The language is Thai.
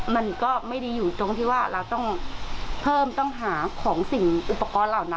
มันก็ไม่ดีอยู่ตรงที่ว่าเราต้องเพิ่มต้องหาของสิ่งอุปกรณ์เหล่านั้น